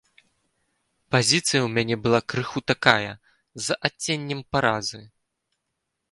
Пазіцыя ў мне была крыху такая, з адценнем паразы.